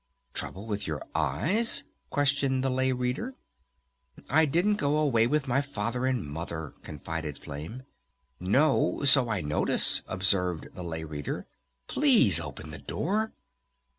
"Trouble with your eyes?" questioned the Lay Reader. "I didn't go away with my Father and Mother," confided Flame. "No, so I notice," observed the Lay Reader. "Please open the door!"